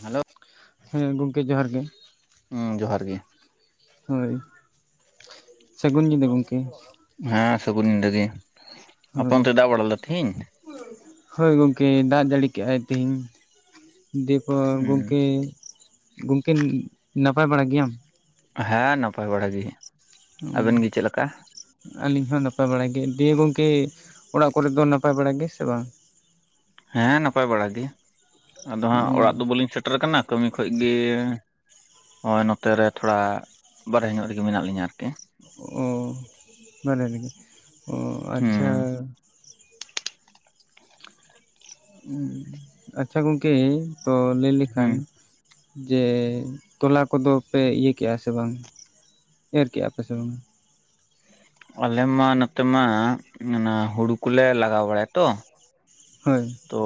Hello ᱦᱮᱸ ᱜᱚᱝᱠᱮ ᱡᱚᱦᱟᱨ ᱜᱮ ᱦᱩᱸ ᱡᱚᱦᱟᱨ ᱜᱮ ᱦᱳᱭ ᱥᱟᱹᱜᱩᱱ ᱧᱤᱫᱟᱹ ᱜᱚᱢᱠᱮ ᱦᱮᱸ ᱥᱟᱹᱜᱩᱱ ᱧᱤᱫᱟᱹ ᱜᱮ ᱟᱯᱮ ᱦᱳᱭ ᱚᱱᱛᱮ ᱫᱟᱜ ᱵᱟᱲᱟ ᱞᱮᱫᱟ ᱛᱤᱦᱤᱧ ᱦᱳᱭ ᱜᱚᱝᱠᱮ ᱫᱟᱜ ᱡᱟᱹᱲᱤ ᱠᱮᱜ-ᱟᱭ ᱛᱮᱦᱤᱧ ᱫᱮ [unintelligible] ᱦᱩᱸ ᱜᱚᱢᱠᱮ ᱜᱚᱝᱠᱮ ᱱᱟᱯᱟᱭ ᱵᱟᱲᱟ ᱜᱮᱭᱟᱢ? ᱦᱮᱸ ᱱᱟᱯᱟᱭ ᱵᱟᱲᱟ ᱜᱮ ᱩᱸ ᱟᱵᱮᱱ ᱜᱮ ᱪᱮᱫ ᱞᱮᱠᱟ ᱟᱞᱤᱧ ᱦᱚᱸ ᱱᱟᱯᱟᱭ ᱵᱟᱲᱟ ᱜᱮ ᱫᱤᱭᱮ ᱜᱚᱝᱠᱮ ᱚᱲᱟᱜ ᱠᱚᱨᱮ ᱫᱚ ᱱᱟᱯᱟᱭ ᱵᱟᱲᱟ ᱜᱮ ᱥᱮ ᱵᱟᱝ ᱦᱮᱸ ᱱᱟᱯᱟᱭ ᱵᱟᱲᱟ ᱜᱮ ᱟᱫᱚ ᱦᱟᱸᱜ ᱚᱲᱟᱜ ᱫᱚ ᱵᱟᱹᱞᱤᱧ ᱥᱮᱴᱮᱨ ᱠᱟᱱᱟ ᱠᱟᱹᱢᱤ ᱠᱷᱚᱡ ᱜᱮ ᱦᱳᱭ ᱱᱚᱛᱮ ᱨᱮ ᱛᱷᱚᱲᱟ ᱵᱟᱨᱦᱮ ᱧᱚᱜ ᱨᱮᱜᱮ ᱢᱮᱱᱟᱜ ᱞᱤᱧᱟᱹ ᱟᱨᱠᱤ ᱚ [unintelligible] ᱚ ᱟᱪᱪᱷᱟ ᱦᱩᱸ ᱟᱪᱪᱷᱟ ᱜᱚᱢᱠᱮ ᱛᱚ ᱞᱟᱹᱭ ᱦᱩᱸ ᱞᱮᱠᱷᱟᱱ ᱡᱮ ᱛᱚᱞᱟ ᱠᱚᱫᱚ ᱯᱮ ᱤᱭᱟᱹ ᱠᱮᱜᱼᱟ ᱥᱮ ᱵᱟᱝ? ᱮᱨ ᱠᱮᱫᱼᱟ ᱯᱮ ᱥᱮ ᱵᱟᱝᱟ? ᱟᱞᱮ ᱢᱟ ᱱᱚᱛᱮ ᱢᱟ ᱚᱱᱟ ᱦᱩᱲᱩ ᱠᱞᱮ ᱞᱟᱜᱟᱣ ᱵᱟᱲᱟᱭᱟ ᱛᱚ ᱦᱳᱭ ᱛᱚ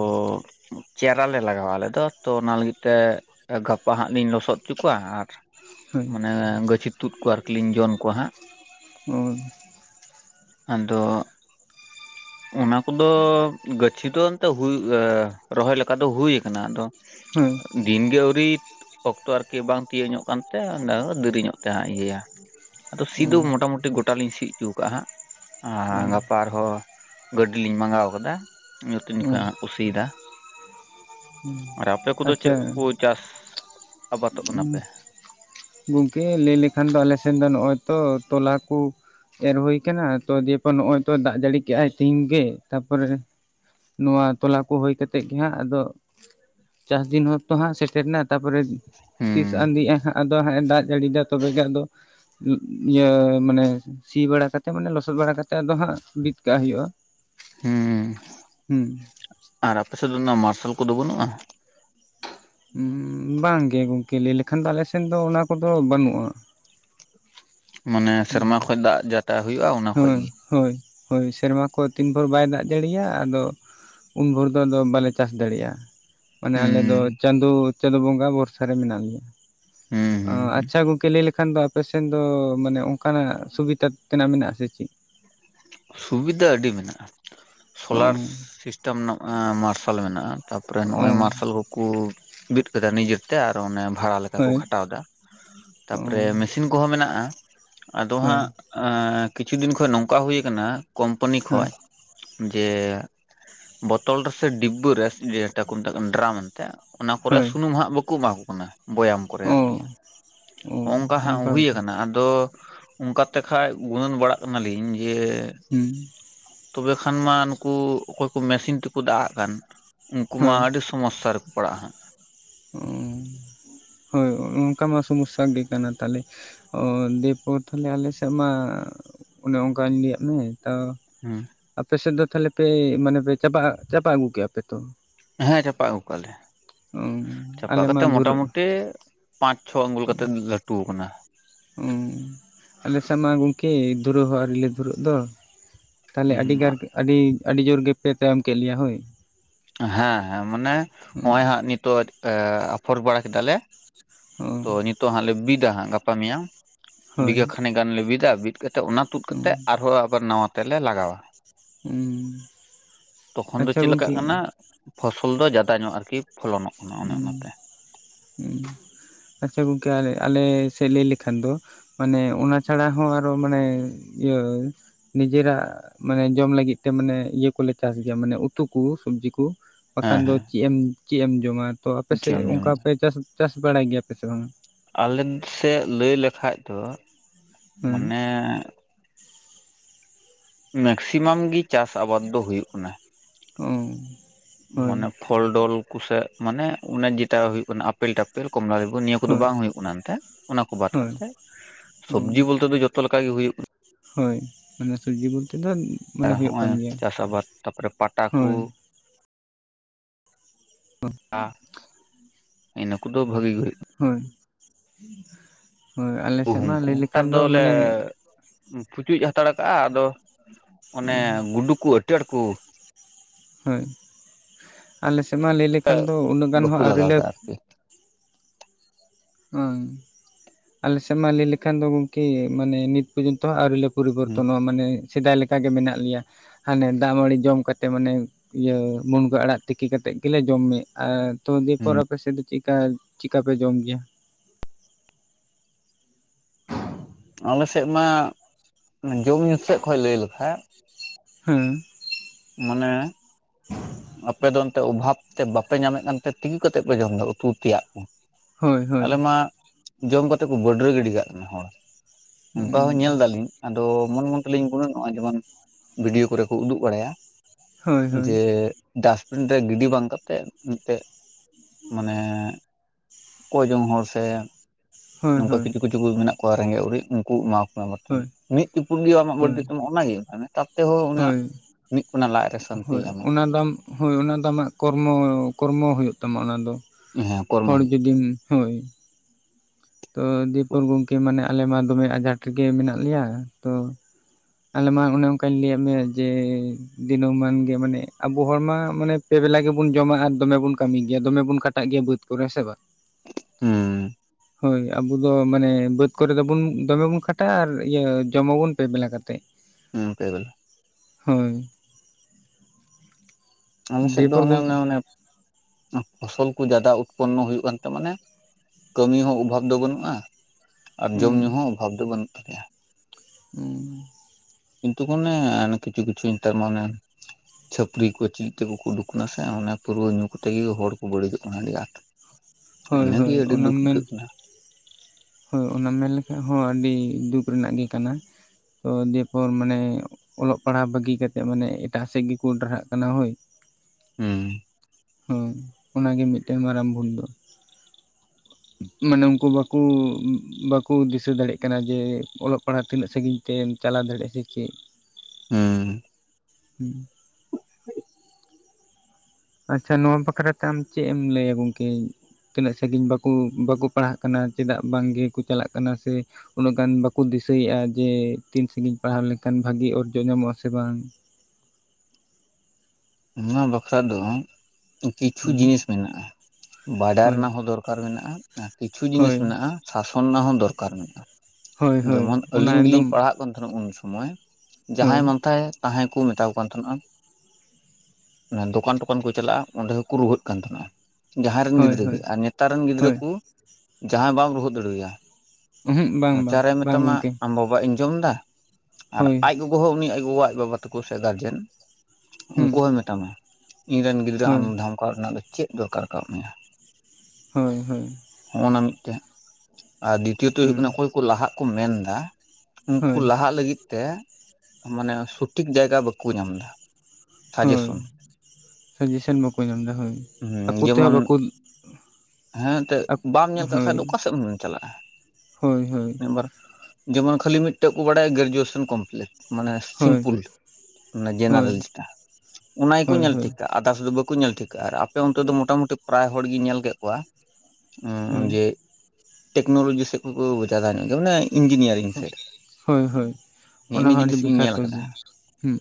ᱪᱮᱟᱨ ᱞᱮ ᱞᱟᱜᱟᱣᱟ ᱟᱞᱮ ᱫᱚ ᱛᱚ ᱚᱱᱟ ᱞᱟᱹᱜᱤᱫ ᱛᱮ ᱜᱟᱯᱟ ᱦᱟᱸᱜ ᱞᱤᱧ ᱞᱚᱥᱚᱫ ᱦᱚᱪᱚ ᱠᱚᱣᱟ ᱟᱨ ᱦᱳᱭ ᱢᱟᱱᱮ ᱜᱟᱹᱪᱷᱤ ᱛᱩᱫ ᱠᱚ ᱟᱨᱠᱤ ᱞᱤᱧ ᱡᱚᱱ ᱠᱚᱣᱟ ᱦᱟᱸᱜ [unintelligible] ᱟᱫᱚ ᱚᱱᱟ ᱠᱚᱫᱚ ᱜᱟᱹᱪᱷᱤ ᱫᱚ ᱦᱩᱭ ᱨᱚᱦᱚᱭ ᱞᱮᱠᱟ ᱫᱚ ᱦᱩᱭ ᱟᱠᱟᱱᱟ ᱟᱫᱚ ᱦᱮᱸ ᱫᱤᱱᱜᱮ ᱟᱹᱣᱨᱤ ᱚᱠᱛᱚ ᱟᱨᱠᱤ ᱵᱟᱝ ᱛᱤᱭᱟᱹᱜ ᱧᱚᱜ ᱠᱟᱱ ᱛᱮ ᱚᱰᱮ ᱫᱮᱨᱤ ᱧᱚᱜ ᱛᱮ ᱦᱟᱸᱜ ᱤᱭᱟᱹᱭᱟ ᱟᱫᱚ ᱥᱤᱤ ᱫᱚ ᱚ ᱢᱚᱴᱟᱢᱩᱴᱤ ᱜᱚᱴᱟ ᱞᱤᱧ ᱥᱤ ᱚᱪᱚ ᱠᱟᱜᱼᱟ ᱦᱟᱸᱜ ᱟᱨ ᱦᱮᱸ ᱜᱟᱯᱟ ᱟᱨᱦᱚᱸ ᱜᱟᱹᱰᱤ ᱞᱤᱧ ᱢᱟᱸᱜᱟᱣ ᱠᱟᱫᱟ ᱛᱤᱱ ᱡᱚᱠᱷᱟ ᱦᱮᱸ ᱦᱟᱸ ᱠᱚ ᱥᱤᱭ ᱫᱟ ᱟᱨ ᱟᱯᱮ ᱠᱚᱫᱚ ᱟᱪᱪᱷᱟ ᱪᱮᱫ ᱠᱚ ᱪᱟᱥ ᱟᱵᱟᱫᱚᱜ ᱠᱟᱱᱟ ᱯᱮ ᱜᱚᱝᱠᱮ ᱞᱟᱹᱭ ᱞᱮᱠᱷᱟᱱ ᱫᱚ ᱟᱞᱮ ᱥᱮᱱ ᱫᱚ ᱱᱚᱜᱼᱚᱭ ᱛᱚ ᱛᱚᱞᱟ ᱠᱩ ᱮᱨ ᱦᱩᱭ ᱠᱟᱱᱟ ᱛᱚ ᱫᱤᱭᱮᱯᱚᱨ ᱱᱚᱜ ᱚᱭ ᱛᱚ ᱫᱟᱜ ᱡᱟᱹᱲᱤ ᱠᱮᱭᱟᱜ ᱥᱤᱧ ᱜᱮ ᱛᱟᱯᱚᱨᱮ ᱱᱚᱣᱟ ᱛᱚᱞᱟ ᱠᱚ ᱦᱩᱭ ᱠᱟᱛᱮᱫ ᱜᱮ ᱦᱟᱸᱜ ᱟᱫᱚ ᱪᱟᱥᱫᱤᱱ ᱦᱚᱸ ᱛᱚ ᱦᱟᱸᱜ ᱥᱮᱴᱮᱨᱱᱟ ᱛᱟᱯᱚᱨᱮ ᱛᱤᱥ ᱦᱩᱸ ᱟᱸᱫᱤᱜᱼᱟ ᱦᱟᱸᱜ ᱟᱫᱚ ᱦᱟᱸᱜ ᱫᱟᱜ ᱡᱟᱹᱲᱤᱭᱟ ᱛᱚᱵᱮᱜᱮ ᱟᱫᱚ ᱤᱭᱟᱹ ᱢᱟᱱᱮ ᱥᱤ ᱵᱟᱲᱟ ᱠᱟᱛᱮ ᱢᱟᱱᱮ ᱞᱚᱥᱚᱫ ᱵᱟᱲᱟ ᱠᱟᱛᱮᱜ ᱟᱫᱚ ᱦᱟᱸᱜ ᱵᱤᱫ ᱠᱟᱜ ᱦᱩᱭᱩᱜᱼᱟ ᱦᱩᱸ ᱦᱩᱸ ᱟᱨ ᱟᱯᱮ ᱥᱮᱫ ᱫᱚ ᱱᱚᱣᱟ ᱢᱟᱨᱥᱟᱞ ᱠᱚᱫᱚ ᱵᱟᱹᱱᱩᱜᱼᱟ ᱵᱟᱝ ᱜᱮ ᱜᱚᱝᱠᱮ ᱞᱟᱹᱭ ᱞᱮᱠᱷᱟᱱ ᱫᱚ ᱟᱞᱮ ᱥᱮᱱ ᱫᱚ ᱚᱱᱟ ᱠᱚᱫᱚ ᱵᱟᱹᱱᱩᱜᱼᱟ ᱢᱟᱱᱮ ᱥᱮᱨᱢᱟ ᱦᱩᱸ ᱠᱷᱚᱡ ᱫᱟᱜ ᱡᱟᱦᱟᱸᱴᱟ ᱦᱩᱭᱩᱜᱼᱟ ᱚᱱᱟ ᱠᱷᱚᱡ ᱦᱳᱭ ᱜᱤ ᱦᱳᱭ ᱦᱳᱭ ᱥᱮᱨᱢᱟ ᱠᱷᱚᱱ ᱛᱤᱱ ᱵᱷᱚᱨ ᱵᱟᱭ ᱫᱟᱜ ᱡᱟᱹᱲᱤᱭᱟ ᱟᱫᱚ ᱩᱱᱵᱷᱳᱨ ᱫᱚ ᱟᱫᱚ ᱵᱟᱞᱮ ᱪᱟᱥ ᱫᱟᱲᱮᱭᱟᱜᱼᱟ ᱢᱟᱱᱮ ᱦᱩᱸ ᱟᱞᱮᱚ ᱪᱟᱸᱫᱩ ᱪᱟᱸᱫᱳ ᱵᱚᱸᱜᱟ ᱵᱚᱨᱥᱟ ᱨᱮ ᱢᱮᱱᱟᱜ ᱞᱮᱭᱟ ᱦᱩᱸ ᱦᱩᱸ ᱟᱪᱪᱷᱟ ᱜᱚᱝᱠᱮ ᱞᱟᱹᱭ ᱞᱮᱠᱷᱟᱱ ᱫᱚ ᱟᱯᱮ ᱥᱮᱫ ᱫᱚ ᱢᱟᱱᱮ ᱚᱱᱠᱟᱱᱟᱜ ᱥᱩᱵᱤᱫᱟ ᱛᱮᱱᱟᱜ ᱢᱮᱱᱟᱜᱥᱮ ᱪᱤ ᱥᱩᱵᱤᱫᱟ ᱟᱹᱰᱤ ᱢᱮᱱᱟᱜᱼᱟ ᱚ ᱥᱳᱞᱟᱨ ᱥᱤᱥᱴᱮᱢ ᱨᱮᱱᱟᱜ ᱢᱟᱨᱥᱟᱞ ᱢᱮᱱᱟᱜᱼᱟ ᱛᱟᱯᱚᱨᱮ ᱱᱚᱜᱚᱭ ᱚ ᱢᱟᱨᱥᱟᱞ ᱠᱚᱠᱚ ᱵᱤᱫ ᱠᱮᱫᱟ ᱱᱤᱡᱮᱛᱮ ᱟᱨ ᱚᱱᱮ ᱵᱷᱟᱲᱟ ᱞᱮᱠᱟ ᱠᱚ ᱦᱳᱭ ᱠᱷᱟᱴᱟᱣ ᱫᱟ ᱛᱟᱯᱚᱨᱮ ᱚ ᱢᱮᱥᱤᱱ ᱠᱚᱦᱚᱸ ᱢᱮᱱᱟᱜᱼᱟ ᱟᱫᱚ ᱦᱳᱭ ᱦᱟᱸᱜ ᱟ ᱠᱤᱪᱷᱩ ᱫᱤᱱ ᱠᱷᱚᱱ ᱱᱚᱝᱠᱟ ᱦᱩᱭᱩᱠ ᱠᱳᱢᱯᱟᱱᱤ ᱦᱳᱭ ᱠᱷᱚᱡ ᱡᱮ ᱵᱚᱛᱚᱞ ᱥᱮ ᱰᱤᱵᱵᱚ ᱨᱮ [unintelligible] ᱠᱚ ᱢᱮᱛᱟᱜ ᱠᱟᱱᱟ ᱰᱮᱨᱟᱢ ᱛᱮ ᱚᱱᱟ ᱠᱚᱨᱮ ᱦᱳᱭ ᱥᱩᱱᱩᱢ ᱦᱟᱸᱜ ᱵᱟᱠᱩ ᱮᱢᱟ ᱠᱚ ᱠᱟᱱᱟ ᱵᱚᱭᱟᱢ ᱠᱚᱨᱮ ᱚ ᱟᱨᱠᱤ ᱚ ᱦᱚᱝᱠᱟ ᱦᱟᱸᱜ ᱚᱱᱠᱟ ᱦᱩᱭ ᱠᱟᱱᱟ ᱟᱫᱚ ᱚᱱᱠᱟ ᱛᱮ ᱠᱷᱟᱡ ᱜᱩᱱᱟᱹᱱ ᱵᱟᱲᱟᱜ ᱠᱟᱱᱟᱞᱤᱧ ᱡᱮ ᱦᱩᱸ ᱛᱚᱵᱮ ᱠᱷᱟᱱ ᱢᱟ ᱱᱩᱠᱩ ᱚᱠᱚᱭ ᱠᱚ ᱢᱮᱥᱤᱱ ᱛᱮᱠᱚ ᱫᱟᱜ ᱟᱜ ᱠᱟᱱ ᱩᱱᱠᱩ ᱢᱟ ᱦᱳᱭ ᱟᱹᱰᱤ ᱥᱩ ᱥᱚᱢᱚᱥᱥᱟ ᱨᱮᱠᱚ ᱯᱟᱲᱟᱜᱼᱟ ᱦᱟᱸᱜ ᱚ ᱦᱳᱭ ᱚᱱᱠᱟ ᱢᱟ ᱥᱚᱢᱚᱥᱥᱟ ᱜᱮ ᱠᱟᱱᱟ ᱛᱟᱦᱚᱞᱮ ᱚ ᱫᱮᱯᱚᱨ ᱛᱟᱦᱞᱮ ᱟᱞᱮ ᱥᱮ ᱢᱟ ᱚᱱᱮ ᱚᱱᱠᱟᱧ ᱞᱟᱹᱭᱟᱜᱼᱟ ᱢᱮ ᱛᱚ ᱦᱮᱸ ᱟᱯᱮ ᱥᱮᱫ ᱫᱚ ᱛᱟᱦᱚᱞᱮ ᱯᱮ ᱢᱟᱱᱮ ᱯᱮ ᱪᱟᱵᱟᱜ ᱪᱟᱵᱟ ᱟᱹᱜᱩ ᱠᱮᱭᱟ ᱯᱮ ᱯᱮᱛᱚ ᱦᱮᱸ ᱪᱟᱯᱟ ᱟᱹᱜᱩ ᱠᱟᱜ ᱞᱮ ᱪᱟᱯᱟ ᱟᱞᱮ ᱢᱟ ᱠᱟᱛᱮᱜ ᱫᱷᱩᱨᱟᱹ ᱢᱚᱴᱟᱢᱩᱴᱤ ᱯᱟᱪ ᱪᱷᱚ ᱟᱝᱜᱩᱞ ᱠᱟᱛᱮᱜ ᱞᱟᱟᱹᱴᱩ ᱠᱟᱱᱟ ᱚ ᱟᱞᱮ ᱥᱮ ᱢᱟ ᱜᱚᱝᱠᱮ ᱫᱷᱩᱨᱟᱹ ᱦᱚᱸ ᱟᱹᱣᱨᱤ ᱞᱮ ᱫᱷᱩᱨᱟᱹᱜ ᱫᱚ ᱛᱟᱦᱚᱞᱮ ᱟᱹᱰᱤᱜ ᱦᱮᱸ ᱟᱹᱰᱤ ᱟᱹᱰᱤ ᱡᱳᱨ ᱜᱮᱯᱮ ᱛᱟᱭᱚᱢ ᱠᱮᱫ ᱞᱮᱭᱟ ᱦᱳᱭ ᱦᱮᱸ ᱦᱮᱸ ᱢᱟᱱᱮ ᱦᱚᱜ ᱦᱩᱸ ᱚᱭ ᱦᱟᱸᱜ ᱱᱤᱛᱚᱜ ᱟᱯᱷᱚᱨ ᱵᱟᱲᱟ ᱠᱮᱫᱟᱞᱮ ᱚ ᱛᱚ ᱱᱤᱛᱚᱜ ᱦᱟᱸᱜ ᱞᱮ ᱵᱤᱫᱟ ᱦᱟᱸᱜ ᱜᱟᱯᱟ ᱢᱮᱭᱟᱝ ᱦᱳᱭ ᱵᱤᱜᱷᱟᱹ ᱠᱷᱟᱱᱮ ᱜᱟᱱ ᱞᱮᱮ ᱵᱤᱫᱟ ᱵᱤᱫ ᱠᱟᱛᱮᱫ ᱚᱱᱟ ᱛᱩᱫ ᱦᱩᱸ ᱠᱟᱛᱮᱜ ᱟᱨᱦᱚᱸ ᱟᱵᱟᱨ ᱱᱟᱣᱟ ᱛᱮᱞᱮ ᱞᱟᱜᱟᱣᱟ ᱦᱩᱸ ᱛᱚᱠᱷᱚᱱ ᱫᱚ ᱟᱪᱪᱷᱟ ᱪᱮᱞᱮᱠᱟᱜ ᱜᱚᱝᱠᱮ ᱠᱟᱱᱟ ᱯᱷᱚᱥᱚᱞ ᱫᱚ ᱡᱟᱫᱟ ᱧᱚᱜ ᱟᱨᱠᱤ ᱯᱷᱚᱞᱚᱱᱚᱜ ᱠᱟᱱᱟ ᱚᱱᱮ ᱚᱱᱟᱛᱮ [unintelligible] ᱟᱪᱪᱷᱟ ᱜᱚᱝᱠᱮ ᱟᱞᱮ ᱥᱮᱫ ᱞᱟᱹᱭ ᱞᱮᱠᱷᱟᱱ ᱫᱚ ᱢᱟᱱᱮ ᱚᱱᱟ ᱪᱷᱟᱲᱟ ᱦᱚᱸ ᱟᱨᱚ ᱢᱟᱱᱮ ᱤᱭᱟᱹ ᱱᱤᱡᱮᱨᱟᱜ ᱢᱟᱱᱮ ᱡᱚᱢ ᱞᱟᱹᱜᱤᱫ ᱛᱮ ᱢᱟᱱᱮ ᱤᱭᱟᱹ ᱠᱚᱞᱮ ᱪᱟᱥ ᱜᱮᱭᱟ ᱢᱟᱱᱮ ᱩᱛᱩ ᱠᱩ ᱥᱚᱵᱽᱡᱤ ᱠᱩ ᱦᱮᱸ ᱵᱟᱠᱷᱟᱱ ᱫᱚ ᱦᱮᱸ ᱪᱤᱮᱢ ᱪᱤᱮᱢ ᱡᱚᱢᱟ ᱛᱚ ᱟᱯᱮᱥᱮ ᱡᱚᱢ ᱡᱚᱢ ᱚᱱᱠᱟᱯᱮ ᱪᱟᱥ ᱪᱟᱥ ᱵᱟᱲᱟᱭ ᱜᱮᱭᱟᱯᱮ ᱥᱮ ᱵᱟᱝᱟᱜ ᱟᱞᱮ ᱥᱮᱫ ᱞᱟᱹᱭ ᱞᱮᱠᱷᱟᱡ ᱫᱚ ᱦᱮᱸ ᱢᱟᱱᱮ ᱢᱮᱠᱥᱤᱢᱟᱢ ᱜᱮ ᱪᱟᱥ ᱟᱵᱟᱫ ᱫᱚ ᱦᱩᱭᱩᱜ ᱠᱟᱱᱟ ᱚ ᱦᱳᱭ ᱢᱚᱱᱮ ᱯᱷᱚᱞ ᱰᱚᱞ ᱠᱚᱥᱮ ᱢᱟᱱᱮ ᱚᱱᱮ ᱡᱮᱴᱟ ᱦᱩᱭᱩᱜ ᱠᱟᱱᱟ ᱟᱯᱮᱞ ᱴᱟᱯᱮᱞ ᱟᱯᱮᱞ ᱠᱚᱢᱞᱟ ᱞᱮᱵᱩ ᱱᱤᱭᱟᱹ ᱠᱚᱫᱚ ᱦᱳᱭ ᱵᱟᱝ ᱦᱩᱭᱩᱜ ᱠᱟᱱᱟ ᱮᱱᱛᱮ ᱚᱱᱟ ᱠᱚ ᱵᱟᱫ ᱦᱳᱭ ᱠᱟᱛᱮᱫ ᱚ ᱥᱚᱵᱽᱡᱤ ᱵᱚᱞᱛᱮ ᱫᱚ ᱡᱚ ᱡᱚᱛᱚ ᱞᱮᱠᱟ ᱜᱮ ᱦᱩᱭᱩᱜ ᱠᱟᱱᱟ ᱦᱳᱭ ᱢᱟᱱᱮ ᱥᱚᱵᱽᱡᱤ ᱵᱚᱞᱛᱮ ᱫᱚ ᱢᱟᱱᱮ ᱦᱩᱭᱩᱜ ᱱᱚᱜᱼᱚᱭ ᱠᱟᱱ ᱜᱮᱭᱟ ᱪᱟᱥ ᱟᱵᱟᱫ ᱛᱟᱨᱯᱚᱨᱮ ᱯᱟᱴᱟ ᱠᱚ ᱦᱳᱭ ᱛ [inaudible] ᱤᱱᱟᱹ ᱠᱚᱫᱚ ᱵᱷᱟᱹᱜᱤ ᱜᱮ ᱦᱩᱭᱩᱜ ᱦᱳᱭ ᱦᱳᱭ ᱟᱞᱮ ᱥᱮᱫ ᱢᱟ ᱞᱟᱹᱭ ᱞᱮᱠᱷᱟᱱ ᱫᱚ ᱢᱟᱱᱮ ᱯᱷᱩᱪᱩᱡ ᱦᱟᱛᱟᱲ ᱠᱟᱜᱼᱟ ᱟᱫᱚ ᱚᱱᱮ ᱜᱩᱰᱩ ᱠᱚ ᱟᱹᱰᱤ ᱟᱸᱴ ᱠᱚ ᱦᱳᱭ ᱟᱞᱮᱥᱮᱫ ᱢᱟ ᱞᱟᱹᱭ ᱞᱮᱠᱷᱟᱱ ᱫᱚ ᱩᱱᱟᱹᱜ ᱜᱟᱱ ᱵᱟᱠᱚ ᱦᱚᱸ ᱟᱹᱣᱨᱤ ᱞᱮ ᱞᱟᱜᱟᱣᱫᱟ ᱟᱨᱠᱤ ᱦᱩᱸ ᱟᱞᱮᱥᱮᱫ ᱢᱟ ᱞᱟᱹᱭ ᱞᱮᱠᱷᱟᱱ ᱫᱚ ᱜᱚᱝᱠᱮ ᱢᱟᱱᱮ ᱱᱤᱛ ᱯᱚᱨᱡᱚᱱᱛᱚ ᱟᱹᱣᱨᱤ ᱞᱮ ᱦᱩᱸ ᱯᱚᱨᱤᱵᱚᱨᱛᱚᱱᱚᱜᱼᱟ ᱢᱟᱱᱮ ᱥᱮᱫᱟᱭ ᱞᱮᱠᱟᱜᱮ ᱢᱮᱱᱟᱜ ᱞᱮᱭᱟ ᱦᱟᱱᱮ ᱫᱟᱜ ᱢᱟᱹᱲᱤ ᱡᱚᱢ ᱠᱟᱛᱮᱫ ᱢᱟᱱᱮ ᱤᱭᱟᱹ ᱢᱩᱱᱜᱟᱹ ᱟᱲᱟᱜ ᱛᱤᱠᱤ ᱠᱟᱛᱮᱫ ᱜᱮᱞᱮ ᱡᱚᱢ ᱮᱫ ᱟᱨ ᱛᱚ ᱫᱤᱭᱮᱯᱚᱨ ᱦᱩᱸ ᱟᱯᱮ ᱥᱮᱫ ᱫᱚ ᱪᱮᱠᱟ ᱪᱮᱠᱟ ᱯᱮ ᱡᱚᱢ ᱜᱮᱭᱟ ᱟᱞᱮᱥᱮᱫ ᱢᱟ ᱡᱚᱢ ᱧᱩ ᱥᱮᱫ ᱠᱷᱚᱡ ᱞᱟᱹᱭ ᱞᱮᱠᱷᱟᱡ ᱦᱮᱸ ᱢᱟᱱᱮ ᱦᱮ [unintelligible] ᱟᱯᱮ ᱫᱚ ᱚᱱᱛᱮ ᱚᱵᱷᱟᱵᱛᱮ ᱵᱟᱯᱮ ᱧᱟᱢᱮᱫ ᱠᱟᱱᱛᱮ ᱛᱤᱜᱩ ᱠᱟᱛᱮᱫ ᱯᱮ ᱡᱚᱢ ᱮᱫᱟ ᱩᱛᱩ ᱛᱮᱭᱟᱜ ᱠᱚ ᱦᱳᱭ ᱦᱳᱭ ᱟᱞᱮ ᱢᱟ ᱡᱚᱢ ᱠᱟᱛᱮᱫ ᱠᱚ ᱵᱟᱹᱰᱨᱟᱹ ᱜᱤᱰᱤ ᱠᱟᱜ ᱠᱟᱱᱟ ᱦᱚᱲ ᱚᱱᱠᱟ ᱦᱚᱸ ᱧᱮᱞ ᱫᱟᱞᱤᱧ ᱟᱫᱚ ᱢᱚᱱ ᱢᱚᱱ ᱛᱮᱞᱤᱧ ᱜᱩᱱᱟᱹᱱᱚᱜᱼᱟ ᱡᱮᱢᱚᱱ ᱵᱷᱤᱰᱭᱳ ᱠᱚᱨᱮ ᱠᱚ ᱩᱫᱩᱜ ᱵᱟᱲᱟᱭᱟ ᱦᱳᱭ ᱦᱳᱭ ᱦᱳᱭ ᱡᱮ ᱰᱟᱥᱴᱵᱤᱱ ᱨᱮ ᱜᱤᱰᱤ ᱵᱟᱝ ᱠᱟᱛᱮᱫ ᱢᱤᱫᱴᱮᱱ ᱢᱟᱱᱮ ᱠᱚᱠᱚ ᱡᱚᱢ ᱦᱚᱲ ᱥᱮ ᱦᱳᱭ ᱱᱚᱝᱠᱟ ᱠᱤᱪᱷᱩ ᱠᱤᱪᱷᱩ ᱠᱚ ᱢᱮᱱᱟᱜ ᱠᱚᱣᱟ ᱨᱮᱸᱜᱮᱡ ᱚᱨᱮᱡ ᱩᱱᱠᱩ ᱮᱢᱟ ᱠᱚᱣᱟ ᱦᱳᱭ ᱢᱤᱫ ᱛᱤᱯᱩᱱ ᱜᱮ ᱟᱢᱟᱜ ᱵᱟᱹᱲᱛᱤ ᱦᱳᱭ ᱛᱟᱢᱟ ᱚᱱᱟᱜᱮ ᱛᱟ ᱦᱳᱭ ᱥᱟᱱᱛᱤᱭ ᱦᱳᱭ ᱮᱢᱟ ᱚᱱᱟ ᱫᱚ ᱟᱢ ᱦᱳᱭ ᱚᱱᱟ ᱫᱚ ᱟᱢᱟᱜ ᱠᱚᱨᱢᱚ ᱠᱚᱨᱢᱚ ᱦᱩᱭᱩᱜ ᱛᱟᱢᱟ ᱚᱱᱟ ᱫᱚ ᱦᱮᱸ ᱠᱚᱨᱢᱚ ᱦᱚᱲ ᱦᱩᱭᱩᱜᱼᱟ ᱡᱩᱫᱤᱢ ᱦᱳᱭ ᱛᱚ ᱫᱮᱭᱯᱚᱨ ᱜᱚᱢᱠᱮ ᱢᱟᱱᱮ ᱟᱞᱮ ᱢᱟ ᱫᱚᱢᱮ ᱟᱡᱷᱟᱴ ᱨᱮᱜᱮ ᱢᱮᱱᱟᱜ ᱞᱮᱭᱟ ᱛᱚ ᱟᱞᱮ ᱢᱟ ᱚᱱᱮ ᱚᱱᱠᱟᱧ ᱞᱟᱹᱭᱟᱫ ᱢᱮᱭᱟ ᱡᱮ ᱫᱤᱱᱟᱹᱢᱟᱱ ᱜᱮ ᱢᱟᱱᱮ ᱟᱵᱚ ᱦᱚᱲᱢᱟ ᱢᱟᱱᱮ ᱯᱮ ᱵᱮᱞᱟ ᱜᱮᱵᱚᱱ ᱡᱚᱢᱟ ᱟᱨ ᱫᱚᱢᱮ ᱵᱚᱱ ᱠᱟᱹᱢᱤ ᱜᱮᱭᱟ ᱫᱚᱢᱮ ᱵᱚᱱ ᱠᱟᱴᱟᱜ ᱜᱮᱭᱟ ᱵᱟᱹᱫᱽ ᱠᱚᱨᱮᱸ ᱥᱮ ᱵᱟᱝ ᱦᱩᱸ ᱦᱳᱭ ᱟᱵᱚ ᱫᱚ ᱢᱟᱱᱮ ᱵᱟᱹᱫᱽ ᱠᱚᱨᱮ ᱫᱚᱵᱚᱱ ᱫᱚᱢᱮ ᱵᱚᱱ ᱠᱷᱟᱴᱟᱜᱼᱟ ᱟᱨ ᱤᱭᱟᱹ ᱡᱚᱢᱟᱵᱚᱱ ᱯᱮ ᱵᱮᱞᱟ ᱠᱟᱛᱮ ᱛᱮᱫ ᱦᱩᱸ ᱞᱟᱹᱭ ᱵᱮᱱ [unintelligible] ᱦᱳᱭ ᱟᱞᱮ ᱥᱮᱫ ᱫᱚ ᱫᱤᱭᱮᱯᱚᱨ ᱚᱱᱮ ᱜᱚᱢᱠᱮ ᱚᱱᱮ ᱚᱱᱮ ᱯᱷᱚᱥᱚᱞ ᱠᱚ ᱡᱟᱫᱟ ᱩᱫᱯᱚᱱᱱᱚ ᱦᱩᱭᱩᱜ ᱠᱟᱱᱛᱮ ᱢᱟᱱᱮ ᱠᱟᱹᱢᱤ ᱦᱚᱸ ᱚᱵᱷᱟᱵᱽ ᱫᱚ ᱵᱟᱹᱱᱩᱜᱼᱟ ᱟᱨ ᱡᱚᱢ ᱧᱩ ᱦᱩᱸ ᱦᱚᱸ ᱚᱵᱷᱟᱵᱽ ᱫᱚ ᱵᱟᱹᱱᱩᱜ ᱛᱟᱞᱮᱭᱟ ᱦᱩᱸ ᱠᱤᱱᱛᱩ ᱠᱷᱚᱱᱮ ᱠᱤᱪᱩ ᱠᱤᱪᱩ ᱛᱟᱨ ᱢᱟᱱᱮ ᱪᱷᱟᱹᱯᱟᱹᱨᱤ ᱠᱚ ᱪᱮᱫ ᱛᱮᱠᱚ ᱩᱰᱩᱠ ᱟᱠᱟᱱᱟ ᱥᱮ ᱚᱱᱮ ᱯᱟᱹᱨᱣᱟᱹ ᱧᱩ ᱠᱟᱛᱮ ᱜᱮ ᱦᱚᱲ ᱠᱚ ᱵᱟᱹᱲᱤᱡᱚᱜ ᱠᱟᱱᱟ ᱟᱹᱰᱤ ᱟᱸᱴ ᱦᱳᱭ ᱤᱱᱟᱹᱜᱮ ᱦᱳᱭ ᱟᱹᱰᱤ ᱫᱩᱠ ᱚᱱᱟᱢ ᱢᱮᱱ ᱟᱹᱭᱠᱟᱹᱜ ᱠᱟᱱᱟ ᱦᱳᱭ ᱚᱱᱟ ᱢᱮᱱ ᱞᱮᱠᱷᱟᱡ ᱦᱚᱸ ᱟᱹᱰᱤ ᱫᱩᱠ ᱨᱮᱱᱟᱜ ᱜᱮ ᱠᱟᱱᱟ ᱛᱚ ᱫᱤᱭᱯᱚᱨ ᱢᱟᱱᱮ ᱚᱞᱚᱜ ᱯᱟᱲᱦᱟᱜ ᱵᱟᱹᱜᱤ ᱠᱟᱛᱮᱫ ᱢᱟᱱᱮ ᱮᱴᱟᱜ ᱥᱮᱫ ᱜᱮᱠᱚ ᱰᱟᱨᱦᱟᱜ ᱠᱟᱱᱟ ᱦᱳᱭ᱾ ᱦᱮᱸ ᱦᱳᱸᱭ ᱚᱱᱟᱜᱮ ᱢᱤᱫᱴᱮᱱ ᱢᱟᱨᱟᱝ ᱵᱷᱩᱞ ᱫᱚ᱾ ᱢᱟᱱᱮ ᱩᱱᱠᱩ ᱵᱟᱠᱩ ᱵᱟᱠᱩ ᱫᱤᱥᱟᱹ ᱫᱟᱲᱭᱟᱜ ᱠᱟᱱᱟ ᱡᱮ ᱚᱞᱚᱜ ᱯᱟᱲᱦᱟᱜ ᱛᱤᱱᱟᱹᱜ ᱥᱟᱹᱜᱤᱧ ᱛᱮᱢ ᱪᱟᱞᱟᱣ ᱫᱟᱲᱮᱭᱟᱜᱼᱟ ᱥᱮ ᱪᱮᱫ᱾ ᱦᱮᱸ ᱦᱮᱸ [inaudible] ᱟᱪᱪᱷᱟ ᱱᱚᱣᱟ ᱵᱟᱠᱷᱨᱟᱛᱮ ᱟᱢ ᱪᱮᱫ ᱮᱢ ᱞᱟᱹᱭᱟ ᱜᱚᱝᱠᱮ? ᱛᱤᱱᱟᱹᱜ ᱥᱟᱺᱜᱤᱧ ᱵᱟᱠᱚ ᱵᱟᱠᱚ ᱯᱟᱲᱦᱟᱜ ᱠᱟᱱᱟ ᱪᱮᱫᱟᱜ ᱵᱟᱝ ᱜᱮᱠᱚ ᱪᱟᱞᱟᱜ ᱠᱟᱱᱟ ᱥᱮ ᱩᱱᱟᱹᱜ ᱜᱟᱱ ᱵᱟᱠᱚ ᱫᱤᱥᱟᱹᱭᱮᱼᱟ ᱡᱮ ᱛᱤᱱ ᱥᱟᱜᱤᱧ ᱯᱟᱲᱦᱟᱣ ᱞᱮᱱᱠᱷᱟᱱ ᱵᱷᱟᱜᱤ ᱚᱨᱡᱚ ᱧᱟᱢᱚᱜ ᱟᱥᱮ ᱵᱟᱝ᱾ ᱱᱚᱣᱟ ᱵᱟᱠᱷᱨᱟ ᱫᱚ ᱠᱤᱪᱷᱩ ᱦᱮᱸ ᱡᱤᱱᱤᱥ ᱢᱮᱱᱟᱜᱼᱟ ᱵᱟᱰᱟᱭ ᱦᱳᱭ ᱨᱮᱱᱟᱜ ᱦᱚᱸ ᱫᱚᱨᱠᱟᱨ ᱢᱮᱱᱟᱜᱼᱟ ᱠᱤᱪᱷᱩ ᱡᱤᱱᱤᱥ ᱦᱳᱭ ᱢᱮᱱᱟᱜᱼᱟ ᱥᱟᱥᱚᱱ ᱨᱮᱱᱟᱜ ᱦᱚᱸ ᱫᱚᱨᱠᱟᱨ ᱢᱮᱱᱟᱜᱼᱟ᱾ ᱦᱳᱭ ᱦᱳᱭ ᱡᱮᱢᱚᱱ ᱟᱞᱤᱧ ᱚᱱᱟ ᱜᱮᱞᱤᱧ ᱮᱠᱫᱚᱢ ᱯᱟᱲᱦᱟᱜ ᱠᱟᱱ ᱛᱟᱦᱮᱱᱟ ᱩᱱ ᱥᱚᱢᱚᱭ ᱦᱳᱭ ᱡᱟᱦᱟᱸᱭ ᱢᱟᱱᱛᱷᱟᱭ ᱛᱟᱦᱮᱸ ᱠᱚ ᱢᱮᱛᱟᱣ ᱠᱚ ᱠᱟᱱ ᱛᱟᱦᱮᱱᱟᱜᱼᱟ᱾ ᱫᱚᱠᱟᱱ ᱴᱠᱟᱱ ᱠᱚ ᱪᱟᱞᱟᱜᱼᱟ ᱚᱸᱰᱮ ᱫᱚ ᱠᱚ ᱨᱩᱣᱟᱹᱜ ᱠᱟᱱ ᱛᱟᱦᱮᱱᱟ᱾ ᱡᱟᱦᱟᱸᱭ ᱨᱮᱱ ᱦᱳᱭ ᱜᱤᱫᱽᱨᱟᱹ ᱜᱮ ᱦᱳᱭ ᱟᱨ ᱱᱮᱛᱟᱨ ᱨᱮᱱ ᱜᱤᱫᱽᱨᱟᱹ ᱦᱳᱭ ᱠᱚ ᱡᱟᱦᱟᱸᱭ ᱵᱟᱢ ᱨᱚᱦᱮᱫ ᱫᱟᱲᱮᱣᱟᱭᱟ᱾ ᱩᱦᱩᱸᱜ ᱵᱟᱝ ᱵᱟᱝ ᱢᱚᱪᱟᱨᱮ ᱵᱟᱝ ᱢᱮᱛᱟᱢᱟ ᱜᱚᱝᱠᱮ ᱟᱢ ᱵᱟᱵᱟ ᱤᱧ ᱡᱚᱢ ᱫᱟ ᱟᱨ ᱦᱳᱭ ᱟᱡ ᱜᱚᱜᱚ ᱦᱚᱸ ᱩᱱᱤ ᱟᱡ ᱜᱚᱜᱚ ᱟᱡ ᱵᱟᱵᱟ ᱛᱟᱠᱚ ᱥᱮ ᱜᱟᱨᱡᱮᱱ ᱦᱩᱸ ᱩᱱᱠᱩ ᱦᱚᱸ ᱢᱮᱛᱟᱢᱟ ᱤᱧ ᱨᱮᱱ ᱜᱤᱫᱽᱨᱟᱹ ᱟᱢ ᱦᱳᱭ ᱫᱷᱚᱢᱠᱟᱣ ᱨᱮᱱᱟᱜ ᱫᱚ ᱪᱮᱫ ᱫᱚᱨᱠᱟᱨ ᱠᱟᱜ ᱢᱮᱭᱟ᱾ ᱦᱳᱭ ᱦᱳᱭ ᱦᱚᱜ ᱱᱟ ᱢᱤᱫᱴᱮᱱ ᱟᱨ ᱫᱤᱛᱤᱭᱚᱛᱚ ᱦᱩᱭᱩᱜ ᱦᱩᱸ ᱠᱟᱱᱟ ᱚᱠᱚᱭ ᱠᱚ ᱞᱟᱦᱟᱜ ᱠᱚ ᱢᱮᱱᱫᱟ ᱩᱱᱠᱩ ᱦᱳᱭ ᱞᱟᱦᱟᱜ ᱞᱟᱹᱜᱤᱫ ᱛᱮ ᱢᱟᱱᱮ ᱥᱚᱴᱷᱤᱠ ᱡᱟᱭᱜᱟ ᱵᱟᱠᱚ ᱧᱟᱢ ᱫᱟ ᱦᱳᱭ ᱥᱟᱡᱮᱥᱚᱱ ᱵᱟᱠᱚ ᱧᱟᱢ ᱮᱫᱟ ᱦᱳᱭ ᱦᱩᱸ ᱟᱠᱚ ᱛᱮᱦᱚᱸ ᱡᱮᱢᱚᱱ ᱵᱟᱠᱚ ᱦᱮᱸ ᱮᱱᱛᱮᱫ ᱵᱟᱢ ᱧᱮᱞ ᱟᱠᱟᱜ ᱠᱷᱟᱜ ᱦᱳᱭ ᱫᱚ ᱚᱠᱟ ᱥᱮᱫ ᱮᱢ ᱪᱟᱞᱟᱜᱼᱟ ᱦᱳᱭ ᱦᱳᱭ ᱢᱤᱫᱵᱟᱨ ᱡᱮᱢᱚᱱ ᱠᱷᱟᱞᱤ ᱢᱤᱫᱴᱮᱜ ᱠᱚ ᱵᱟᱲᱟᱭᱟ ᱜᱨᱮᱡᱩᱭᱮᱥᱚᱱ ᱠᱚᱢᱯᱞᱤᱴ᱾ ᱢᱟᱱᱮ ᱦᱳᱭ ᱥᱤᱢᱯᱩᱞ ᱢᱟᱱᱮ ᱦᱳᱭ ᱡᱮᱱᱟᱨᱮᱞ ᱡᱮᱴᱟ ᱚᱱᱟ ᱜᱮᱠᱚ ᱦᱳᱭ ᱧᱮᱞ ᱦᱳᱭ ᱴᱷᱤᱠ ᱟᱫᱟᱥ ᱫᱚ ᱵᱟᱠᱚ ᱧᱮᱞ ᱴᱷᱤᱠᱟᱹᱜᱼᱟ ᱟᱨ ᱟᱯᱮ ᱚᱱᱛᱮ ᱫᱚ ᱢᱚᱴᱟᱢᱩᱴᱤ ᱯᱨᱟᱭ ᱦᱚᱲ ᱜᱮᱧ ᱧᱮᱞ ᱠᱮᱫ ᱠᱚᱣᱟ ᱦᱳᱭ ᱡᱮ ᱴᱮᱠᱱᱳᱞᱚᱡᱤ ᱥᱮᱫ ᱠᱷᱚᱡ ᱠᱚ ᱡᱟᱫᱟ ᱧᱚᱜ ᱜᱮᱭᱟ ᱢᱟᱱᱮ ᱤᱧᱡᱤᱱᱤᱭᱟᱨᱤᱝ ᱥᱮᱫ ᱦᱳᱭ ᱦᱳᱭ ᱱᱮᱜ ᱚᱱᱟ ᱱᱮ ᱦᱚᱸ ᱟᱹᱰᱤ ᱡᱤᱱᱤᱥ ᱤᱧ ᱧᱮᱞ ᱵᱮᱠᱷᱟᱛᱚ ᱟᱠᱟᱫᱟ᱾ ᱜᱮᱭᱟ ᱦᱩᱸ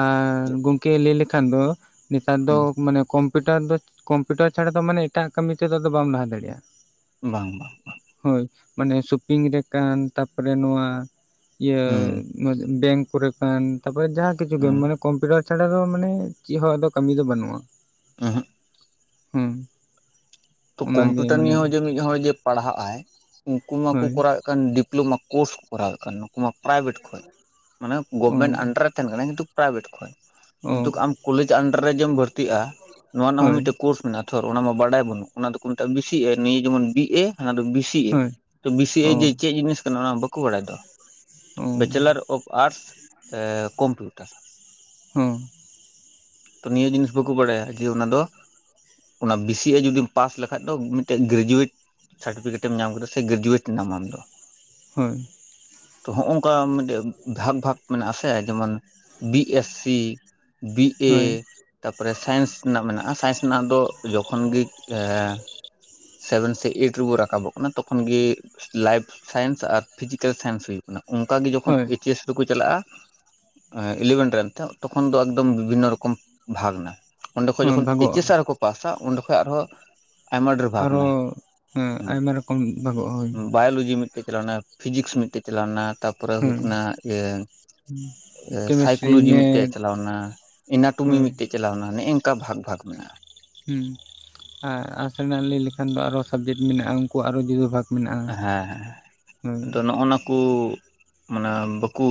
ᱟᱨ ᱜᱚᱝᱠᱮ ᱞᱟᱹᱭ ᱞᱮᱠᱷᱟᱱ ᱫᱚ ᱱᱮᱛᱟᱨ ᱫᱚ ᱦᱩᱸ ᱢᱟᱱᱮ ᱠᱚᱢ ᱠᱚᱢᱯᱤᱴᱟᱨ ᱫᱚ ᱠᱚᱢᱯᱤᱭᱩᱴᱟᱨ ᱪᱷᱟᱲᱟ ᱫᱚ ᱢᱟᱱᱮ ᱮᱴᱟᱜ ᱠᱟᱢᱤ ᱛᱮᱫᱚ ᱵᱟᱢ ᱞᱟᱦᱟ ᱫᱟᱲᱮᱼᱟ᱾ ᱵᱟᱝ ᱵᱟᱝ ᱦᱳᱭ ᱢᱟᱱᱮ ᱥᱚᱯᱤᱝ ᱨᱮ ᱠᱟᱱ ᱛᱟᱨᱯᱚᱨᱮ ᱱᱚᱣᱟ᱾ ᱤᱭᱟᱹ ᱦᱩᱸ ᱵᱮᱝᱠ ᱠᱚᱨᱮᱠᱟᱱ ᱛᱟᱯᱚᱨᱮ ᱡᱟᱦᱟᱸ ᱠᱤᱪᱷᱩ ᱜᱮ ᱦᱩᱸ ᱢᱟᱱᱮ ᱠᱚᱢᱯᱤᱭᱩᱴᱟᱨ ᱛᱟᱪᱷᱟᱲᱟ ᱫᱚ ᱢᱟᱱᱮ ᱪᱮᱫ ᱦᱚᱸ ᱟᱫᱚ ᱠᱟᱢᱤ ᱫᱚ ᱵᱟᱱᱩᱜᱼᱟ᱾ ᱚᱦᱳᱜ ᱦᱩᱸ᱾ ᱛᱚ ᱚᱱᱟᱜᱮ ᱠᱚᱢᱯᱤᱭᱩᱴᱟᱨ ᱢᱟᱱᱮ ᱱᱤᱭᱮ ᱦᱚᱸ ᱡᱮ ᱢᱤᱫ ᱦᱚᱲ ᱡᱮ ᱯᱟᱲᱦᱟᱜ ᱟᱭ ᱩᱱᱠᱩ ᱢᱟᱠᱚ ᱦᱳᱭ ᱠᱚᱨᱟᱣ᱾ ᱚᱱᱠᱟᱱ ᱰᱤᱯᱞᱳᱢᱟ ᱠᱳᱥ ᱠᱚᱨᱟᱣ ᱫᱚᱨᱠᱟᱨ ᱱᱩᱠᱩ ᱢᱟ ᱯᱨᱟᱭᱵᱷᱮᱴ ᱠᱷᱚᱡ ᱢᱟᱱᱮ ᱚ ᱜᱚᱵᱷᱢᱮᱱᱴ ᱟᱱᱰᱟᱨ᱾ ᱛᱟᱦᱮᱱ ᱠᱟᱱᱟ ᱠᱤᱱᱛᱩ ᱯᱨᱟᱭᱵᱷᱮᱴ ᱠᱷᱚᱡ ᱠᱤᱱᱛᱩ ᱚ ᱟᱢ ᱠᱚᱞᱮᱡᱽ ᱟᱱᱰᱟᱨ ᱨᱮ ᱡᱮ ᱵᱷᱚᱨᱛᱤᱜᱼᱟ ᱱᱚᱣᱟ ᱨᱮᱱᱟᱜ ᱦᱚᱸ ᱦᱳᱭ ᱢᱤᱫᱴᱮᱡ ᱠᱳᱥ ᱢᱮᱱᱟᱜᱼᱟ ᱛᱷᱚ ᱚᱱᱟ ᱢᱟ ᱵᱟᱰᱟᱭ ᱵᱟᱹᱱᱩᱜ ᱚᱱᱟ ᱫᱚᱠᱚ ᱢᱮᱛᱟᱜ ᱵᱤᱥᱤ ᱮ ᱱᱤᱭᱟᱹ ᱡᱮᱢᱚᱱ ᱵᱤ ᱮ ᱚᱱᱟ ᱫᱚ ᱵᱤᱥᱤ ᱮ ᱦᱳᱭ ᱛᱚ ᱵᱤᱥᱤ ᱮ ᱚ ᱡᱮ ᱪᱮᱫ ᱡᱤᱱᱤᱥ ᱠᱟᱱᱟ ᱚᱱᱟ ᱢᱟ ᱵᱟᱠᱚ ᱵᱟᱲᱟᱭ ᱫᱚ᱾ ᱚ ᱵᱮᱪᱮᱞᱟᱨ ᱚᱯᱷ ᱟᱨᱥ ᱮ ᱠᱚᱢᱯᱤᱭᱩᱴᱟᱨ᱾ ᱦᱚᱸ ᱛᱚ ᱱᱤᱭᱟᱹ ᱡᱤᱱᱤᱥ ᱵᱟᱠᱚ ᱵᱟᱰᱟᱭᱟ ᱡᱮ ᱚᱱᱟ ᱫᱚ ᱚᱱᱟ ᱵᱮᱥᱤ ᱮ ᱡᱩᱫᱤ᱾ ᱯᱟᱥ ᱞᱮᱠᱷᱟᱡ ᱫᱚ ᱢᱤᱫᱴᱮᱡ ᱜᱨᱮᱡᱩᱮᱴ ᱥᱟᱨᱴᱚᱯᱷᱤᱠᱮᱴ ᱮᱢ ᱧᱟᱢ ᱠᱮᱫᱟ ᱥᱮ ᱜᱨᱮᱡᱩᱣᱮᱴ ᱱᱟᱢ ᱟᱢ ᱫᱚ ᱦᱳᱭ ᱛᱚ ᱦᱚᱜᱝᱠᱟ ᱢᱤᱫᱴᱮᱡ ᱵᱷᱟᱜᱽ ᱵᱷᱟᱜᱽ ᱢᱮᱱᱟᱜ ᱟᱥᱮ ᱡᱮᱢᱚᱱ B S C B A ᱦᱳᱭ ᱛᱟᱯᱚᱨᱮ ᱥᱟᱭᱮᱱᱥ ᱨᱮᱱᱟᱜ ᱢᱮᱱᱟᱜᱼᱟ ᱥᱟᱭᱮᱱᱥ ᱨᱮᱱᱟᱜ ᱫᱚ ᱡᱚᱠᱷᱚᱱ ᱜᱮ [unintelligible] ᱥᱮᱵᱷᱮᱱ ᱥᱮ ᱮᱭᱤᱴ ᱨᱮᱵᱚᱱ ᱨᱟᱠᱟᱵᱚᱜ ᱠᱟᱱᱟ ᱛᱚᱠᱷᱚᱱ ᱜᱮ ᱞᱟᱭᱤᱯᱷ ᱥᱟᱭᱮᱱᱥ ᱟᱨ ᱯᱷᱤᱡᱤᱠᱮᱞ ᱥᱟᱭᱮᱱᱥ ᱦᱩᱭᱩᱜ ᱢᱟᱱᱮ ᱚᱱᱠᱟ ᱜᱮ ᱡᱚᱠᱷᱚᱱ ᱦᱳᱭ ᱮᱭᱤᱪ ᱮᱥ [unintelligible] ᱪᱟᱞᱟᱜᱼᱟ ᱤᱞᱤᱵᱷᱮᱱ ᱨᱮᱱ ᱛᱮ ᱛᱚᱠᱷᱚᱱ ᱫᱚ ᱮᱠᱫᱚᱢ ᱵᱤᱵᱷᱤᱱᱱᱚ ᱨᱚᱠᱚᱢ ᱵᱷᱟᱜᱽ ᱮᱱᱟ, ᱚᱸᱰᱮᱠᱷᱚᱡ ᱦᱚᱸ ᱡᱚᱠᱷᱚᱱ ᱮᱭᱤᱪ ᱵᱷᱟᱜᱚᱜᱼᱟ ᱮᱥ ᱟᱨᱠᱚ ᱯᱟᱥ ᱟ ᱚᱸᱰᱮ ᱠᱷᱚᱡ ᱟᱨᱦᱚᱸ ᱟᱭᱢᱟ ᱰᱷᱮᱨ ᱵᱷᱟᱜ, ᱟᱨ ᱦᱚ ᱟᱭᱢᱟ ᱨᱚᱠᱚᱢ ᱵᱷᱟᱜᱚᱜ ᱟ ᱦᱳᱭ᱾ ᱵᱟᱭᱳᱞᱚᱡᱤ ᱢᱤᱫᱴᱮᱡ ᱪᱟᱞᱟᱣᱱᱟ, ᱯᱷᱤᱡᱤᱠᱥ ᱢᱤᱫᱴᱮᱡ ᱪᱟᱞᱟᱣᱱᱟ, ᱛᱟᱨᱯᱚᱨᱮ ᱦᱩᱭᱩᱜ ᱦᱳᱭ ᱠᱟᱱᱟ ᱤᱭᱟᱹ ᱠᱮᱢᱮᱥᱴᱨᱤ ᱥᱟᱭᱠᱳᱞᱚᱡᱤ ᱢᱤᱫᱴᱮᱡ ᱢᱮᱛᱷ ᱪᱟᱞᱟᱣᱱᱟ, ᱮᱱᱟᱱᱟᱴᱚᱢᱢᱤ ᱦᱳᱭ ᱢᱤᱫᱴᱮᱡ ᱪᱟᱞᱟᱣᱱᱟ, ᱱᱮᱜᱼᱮ ᱝᱠᱟ ᱵᱷᱟᱜᱽ ᱵᱷᱟᱜᱽ ᱢᱮᱱᱟᱜᱼᱟ᱾ ᱦᱮᱸ ᱟᱨ ᱟᱥᱱᱟᱜ ᱞᱟᱹᱭ ᱞᱮᱠᱷᱟᱱ ᱫᱚ ᱟᱨᱚ ᱥᱟᱵᱡᱮᱠᱴ ᱢᱮᱱᱟᱜᱼᱟ ᱩᱱᱠᱩ ᱟᱨᱚ ᱡᱩᱫᱟᱹ ᱵᱷᱟᱜ ᱦᱮᱸ ᱟᱫᱚ ᱱᱚᱜᱼ ᱱᱟ ᱠᱚ ᱢᱟᱱᱮ ᱵᱟᱠᱚ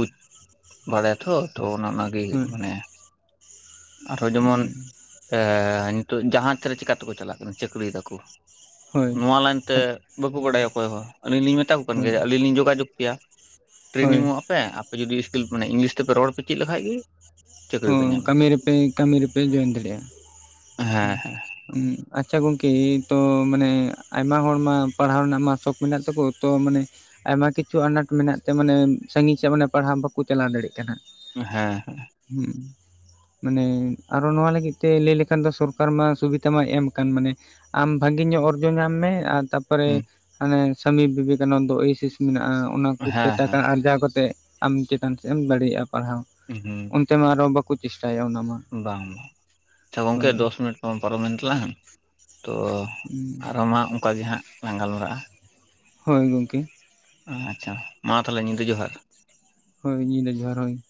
ᱵᱟᱲᱟᱭᱟᱛᱷᱚ ᱛᱚ ᱚᱱᱟ ᱚᱱᱟᱜᱮ ᱦᱳᱭ ᱢᱟᱱᱮ ᱟᱨᱦᱚᱸ ᱡᱮᱢᱚᱱ ᱱᱤᱛᱚᱜ ᱡᱟᱦᱟᱡᱽᱨᱮ ᱪᱤᱠᱟᱛᱮᱠᱚ ᱪᱟᱞᱟᱜ ᱠᱟᱱᱟ ᱪᱟᱹᱠᱨᱤᱭ ᱫᱟᱠᱚ᱾ ᱦᱳᱭ ᱱᱚᱣᱟ ᱞᱟᱭᱤᱱᱛᱮ ᱵᱟᱠᱚ ᱵᱟᱲᱟᱭᱟ᱾ ᱦᱳᱭ ᱦᱳᱭ ᱟᱹᱞᱤᱧ ᱞᱤᱧ ᱢᱮᱛᱟᱠᱚ ᱠᱟᱱ ᱜᱮᱭᱟ ᱦᱳᱭ ᱡᱮ ᱟᱹᱞᱤᱧ ᱞᱤᱧ ᱡᱳᱜᱟᱡᱳᱜᱽ ᱠᱮᱭᱟ ᱦᱳᱭ ᱴᱨᱮᱱᱤᱝᱚᱜᱼᱟ, ᱯᱮ ᱟᱯᱮ ᱡᱩᱫᱤ ᱤᱥᱠᱤᱞ ᱢᱟᱱᱮᱝᱞᱤᱥ ᱛᱮᱯᱮ ᱨᱚᱲ ᱯᱮ ᱪᱮᱫ ᱞᱮᱠᱷᱟᱡ ᱜᱮ, ᱦᱚ ᱪᱟᱹᱠᱨᱤ ᱯᱮ ᱧᱟᱢᱟ ᱠᱟᱹᱢᱤ ᱨᱮᱯᱮ ᱠᱟᱹᱢᱤ ᱨᱮᱯᱮ ᱡᱚᱭᱮᱱ ᱫᱟᱲᱮᱭᱟᱜᱼᱟ᱾ ᱦᱮᱸ ᱦᱮ ᱟᱪᱪᱷᱟ ᱜᱚᱢᱠᱮ ᱛᱚ ᱢᱟᱱᱮ ᱟᱭᱢᱟ ᱦᱚᱲ ᱢᱟ ᱯᱟᱲᱦᱟᱣ ᱨᱮᱱᱟᱜ ᱢᱟ ᱥᱚᱚᱠ ᱢᱮᱱᱟᱜ ᱛᱟᱠᱚ ᱛᱚ ᱢᱟᱱᱮ ᱟᱭᱢᱟ ᱠᱤᱪᱷᱩ ᱟᱱᱟᱴ ᱢᱮᱱᱟᱜ ᱛᱮ ᱢᱟᱱᱮ ᱥᱟᱺᱟᱹᱜᱤᱧ ᱥᱮᱫ ᱢᱟᱱ ᱯᱟᱲᱦᱟᱣ ᱵᱟᱠᱚ ᱪᱟᱞᱟᱣ ᱫᱟᱲᱮᱭᱟᱜ ᱠᱟᱱᱟ᱾ ᱦᱮᱸ ᱦᱮᱸ ᱦᱩᱸ ᱢᱟᱱᱮ ᱟᱨᱚ ᱱᱚᱣᱟ ᱞᱟᱹᱜᱤᱫ ᱛᱮ ᱞᱟᱹᱭ ᱞᱮᱠᱷᱟᱱ ᱫᱚ ᱥᱚᱨᱠᱟᱨ ᱢᱟ ᱥᱩᱵᱤᱫᱟ ᱢᱟᱭ ᱮᱢ ᱠᱟᱱᱟᱱ ᱢᱟᱱᱮ ᱟᱢ ᱵᱷᱟᱜᱤ ᱧᱚᱜ ᱚᱨᱡᱚ ᱧᱟᱢ ᱢᱮ ᱟᱨ ᱛᱟᱯᱚᱨᱮ ᱦᱮᱸ ᱦᱟᱱᱮ ᱥᱟᱢᱤ ᱵᱤᱵᱮᱠᱟᱱᱚᱱᱫᱚ ᱳᱭᱮᱥᱤᱥ ᱢᱮᱱᱟᱜᱼᱟ ᱚᱱᱟ ᱠᱚᱛᱮ ᱦᱮᱸ ᱴᱟᱠᱟ ᱦᱮᱸ ᱟᱨᱡᱟᱣ ᱠᱟᱛᱮᱫ ᱟᱢ ᱪᱮᱛᱟᱱ ᱥᱮᱫ ᱮᱢ ᱫᱟᱲᱮᱭᱟᱜᱼᱟ ᱯᱟᱲᱦᱟᱣ᱾ [unintelligible] ᱛᱮᱢᱟ ᱟᱨᱚ ᱵᱟᱠᱚ ᱪᱮᱥᱴᱟᱭᱟ ᱚᱱᱟ ᱢᱟ᱾ ᱵᱟᱝ ᱵᱟᱝ ᱟᱪᱪᱷᱟ ᱜᱚᱝᱠᱮ ᱦᱳᱭ ᱫᱚᱥ ᱢᱤᱱᱤᱴ ᱯᱟᱨᱚ ᱢᱤᱱᱤᱴ ᱛᱟᱞᱟᱝ᱾ ᱛᱚ ᱟᱨᱚ ᱢᱟ ᱚᱱᱠᱟᱟᱜ ᱜᱮ ᱦᱟᱸᱜ ᱞᱟᱸᱝ ᱜᱟᱞᱢᱟᱨᱟᱜᱼᱟ᱾ ᱦᱳᱭ ᱜᱚᱢᱠᱮ᱾ ᱟᱪᱪᱷᱟ ᱢᱟ ᱛᱟᱦᱚᱞᱮ ᱧᱤᱫᱟᱹ ᱡᱚᱦᱟᱨ᱾ ᱦᱳᱭ ᱧᱤᱫᱟᱹ ᱡᱚᱦᱟᱨ ᱦᱳᱭ᱾